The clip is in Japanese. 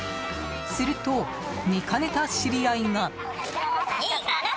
すると、見かねた知り合いが。